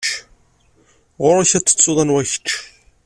Ɣur-k ad tettuḍ anwa kečč!